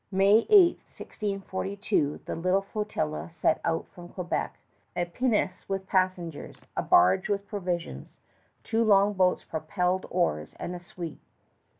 May 8, 1642, the little flotilla set out from Quebec a pinnace with the passengers, a barge with provisions, two long boats propelled by oars and a sweep.